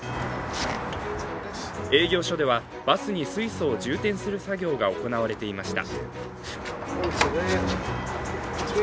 営業所ではバスに水素を充填する作業が行われていました。